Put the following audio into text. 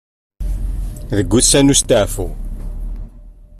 Deg wussan n usetaɛfu.